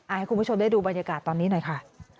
ให้คุณผู้ชมได้ดูบรรยากาศตอนนี้หน่อยค่ะ